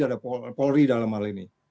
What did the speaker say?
ada polri dalam hal ini